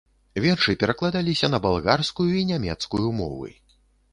Вершы перакладаліся на балгарскую і нямецкую мовы.